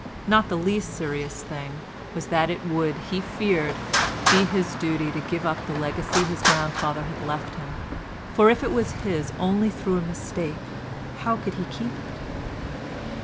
Not the least serious thing was that it would, he feared, be his duty to give up the legacy his grandfather had left him; for if it was his only through a mistake, how could he keep it?